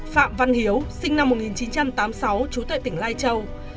phạm văn hiếu sinh năm một nghìn chín trăm tám mươi sáu trú tại tỉnh lai châu